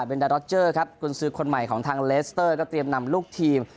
เป็นดารอเจอร์ครับกุญสือคนใหม่ของทางเลสเตอร์ก็เตรียมนำลูกทีม